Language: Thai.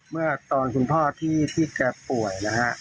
เมื่อตอนคุณพ่อที่แกป่วยนะฮะ